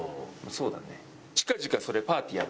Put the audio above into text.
そうだね。